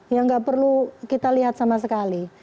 yang nggak perlu kita lihat sama sekali